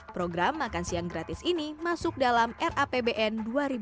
program makan siang gratis ini masuk dalam rapbn dua ribu dua puluh lima